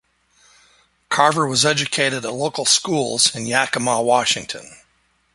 Carver was educated at local schools in Yakima, Washington.